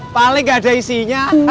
paling gak ada isinya